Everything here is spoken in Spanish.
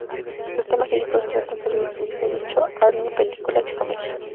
Sus temas líricos tratan sobre el susodicho Arnold, películas y comedia.